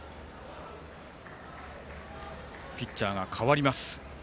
ピッチャーが代わります。